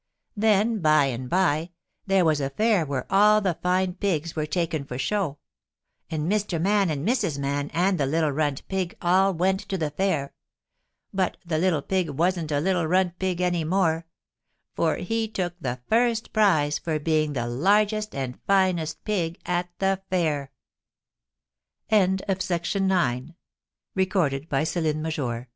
Then by and by there was a fair where all the fine pigs were taken for show, and Mr. Man and Mrs. Man and the little runt pig all went to the fair, but the little pig wasn't a little runt pig any more, for he took the first prize for being the largest and finest pig at the f